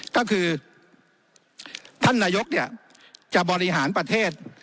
ก็คือท่านนายกจะบริหารประเทศ